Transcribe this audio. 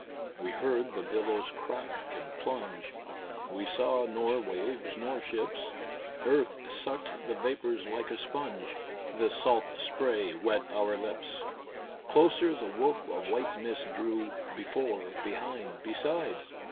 We heard the billows crack and plunge, We saw nor waves nor ships. Earth sucked the vapors like a sponge, The salt spray wet our lips. Closer the woof of white mist drew, Before, behind, beside.